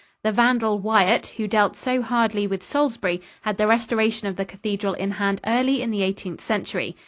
The vandal Wyatt, who dealt so hardly with Salisbury, had the restoration of the cathedral in hand early in the Eighteenth Century.